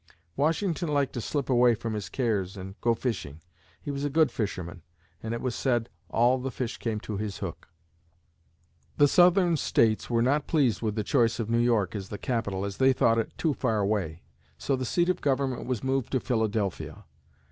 Washington liked to slip away from his cares and go fishing. He was a good fisherman and it was said "all the fish came to his hook." The Southern States were not pleased with the choice of New York as the capital, as they thought it too far away; so the seat of government was moved to Philadelphia.